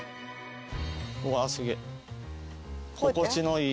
うわあすげえ。